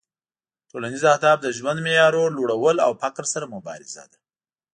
ټولنیز اهداف د ژوند معیارونو لوړول او فقر سره مبارزه ده